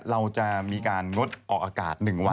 เราจะมีการงดออกอากาศ๑วัน